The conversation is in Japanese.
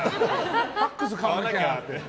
ＦＡＸ買わなきゃって。